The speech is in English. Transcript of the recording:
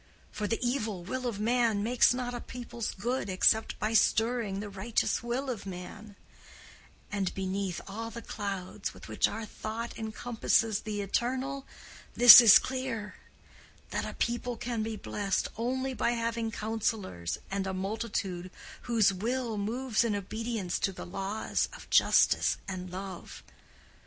For the evil will of man makes not a people's good except by stirring the righteous will of man; and beneath all the clouds with which our thought encompasses the Eternal, this is clear—that a people can be blessed only by having counsellors and a multitude whose will moves in obedience to the laws of justice and love.